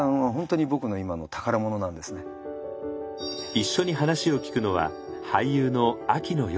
一緒に話を聞くのは俳優の秋野暢子さん。